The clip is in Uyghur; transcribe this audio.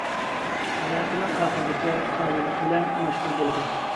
ھاياتىنىڭ ئاخىرغىچە قازىلىق بىلەن مەشغۇل بولىدۇ.